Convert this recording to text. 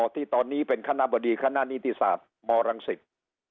ที่ตอนนี้เป็นคณะบดีคณะนิติศาสตร์มรังสิต